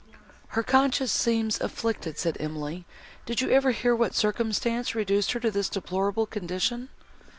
"Her conscience seems afflicted," said Emily, "did you ever hear what circumstance reduced her to this deplorable condition?"